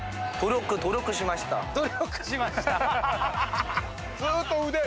「努力しました」？